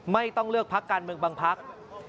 ไม่ต้องเลือกพักการเมืองบางพัก